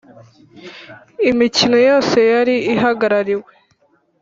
Imikino yose yari ihagarariwe